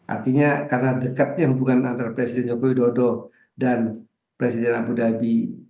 artinya karena dekatnya hubungan antara presiden jokowi dodo dan presiden ambu dhabi